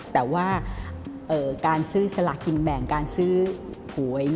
แต่ว่าการซื้อสลากินแบ่งการซื้อหวย